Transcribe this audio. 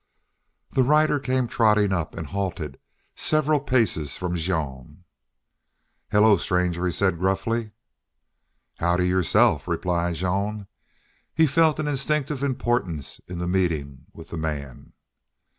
The rider came trotting up and halted several paces from Jean "Hullo, stranger!" he said, gruffly. "Howdy yourself!" replied Jean. He felt an instinctive importance in the meeting with the man.